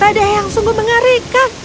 badai yang sungguh mengerikan